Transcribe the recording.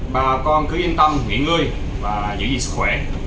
bà con cứ yên tâm nguyện ngươi và giữ gìn sức khỏe